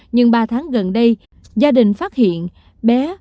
nhưng ba tháng gần đây gia đình phát hiện bé